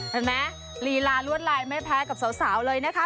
เห็นไหมลีลาลวดลายไม่แพ้กับสาวเลยนะคะ